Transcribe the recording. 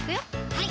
はい